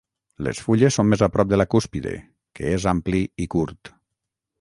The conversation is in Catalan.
Les fulles són més a prop de la cúspide, que és ampli i curt.